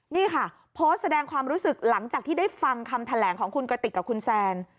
นี่ค่ะโพสต์แสดงความรู้สึกหลังจากที่ได้ฟังคำแถลงของคุณกระติกกับคุณแซน